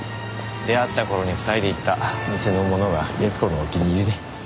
出会った頃に２人で行った店のものが悦子のお気に入りで。